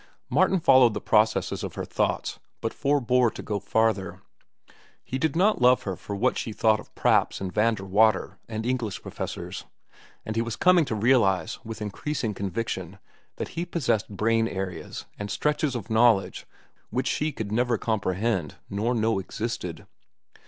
Martin followed the processes of her thoughts, but forbore to go farther. He did not love her for what she thought of Praps and Vanderwater and English professors, and he was coming to realize, with increasing conviction, that he possessed brain areas and stretches of knowledge which she could never comprehend nor know existed.